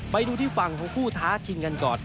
ไปดูที่ฝั่งของผู้ท้าชิงกันก่อน